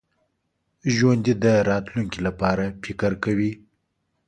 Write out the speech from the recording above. ژوندي د راتلونکي لپاره فکر کوي